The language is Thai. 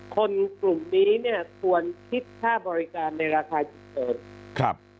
คนกลุ่มนี้ต้องคิดค่าบริการในราคาจริงเติบ